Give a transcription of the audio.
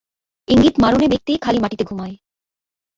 ইঙ্গিত-মারণে ব্যক্তি খালি মাটিতে ঘুমায়।